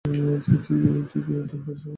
Jimmy তুই- তুই কি তোর হুশ হারিয়ে ফেলেছিস?